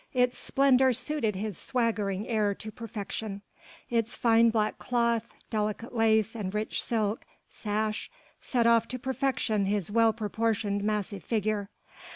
Its splendour suited his swaggering air to perfection: its fine black cloth, delicate lace and rich silk sash set off to perfection his well proportioned massive figure.